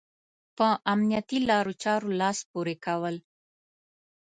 په امنيتي لارو چارو لاس پورې کول.